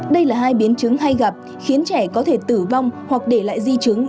đây là hai biến chứng hay gặp khiến trẻ có thể tử vong hoặc để lại di chứng